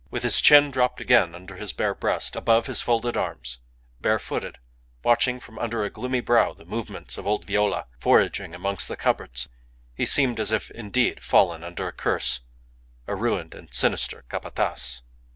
With his chin dropped again upon his bare breast above his folded arms, barefooted, watching from under a gloomy brow the movements of old Viola foraging amongst the cupboards, he seemed as if indeed fallen under a curse a ruined and sinister Capataz.